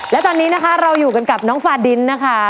และตอนนี้นะคะเราอยู่กันกับน้องฟาดินนะคะ